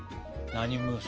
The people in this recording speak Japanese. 何ムース？